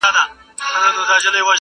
چوروندک ته هره ورځ راتلل عرضونه!!